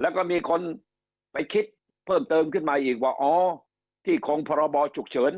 แล้วก็มีคนไปคิดเพิ่มเติมขึ้นมาอีกว่าอ๋อที่คงพรบฉุกเฉิน